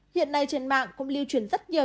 hiện nay trên mạng cũng lưu truyền rất nhiều